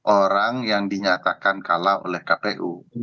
orang yang dinyatakan kalah oleh kpu